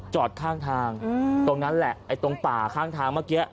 จอดข้างทางตรงนั้นแหละไอ้ตรงป่าข้างทางเมื่อกี้